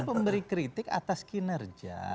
memberi kritik atas kinerja